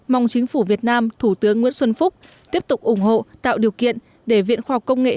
mong chính phủ việt nam thủ tướng nguyễn xuân phúc tiếp tục ủng hộ tạo điều kiện để viện khoa học công nghệ